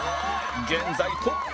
現在トップ！